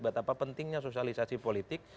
betapa pentingnya sosialisasi politik